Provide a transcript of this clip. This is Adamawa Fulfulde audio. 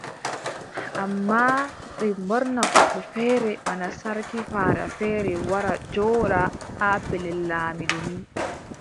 Ammaa ɓe ɓorna goɗɗo feere bana sarki faada feere wara jooɗa haa pellel laamiiɗo ni.